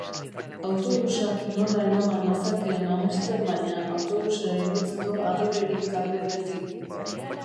Autobusak nora eraman nazakeen amesten baina autobusera igotzeko adorerik gabe beti.